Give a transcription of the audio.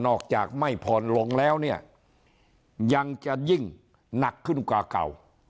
ออกจากไม่ผ่อนลงแล้วเนี่ยยังจะยิ่งหนักขึ้นกว่าเก่า